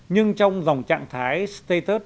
nhưng trong dòng trạng thái status